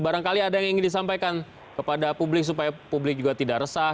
barangkali ada yang ingin disampaikan kepada publik supaya publik juga tidak resah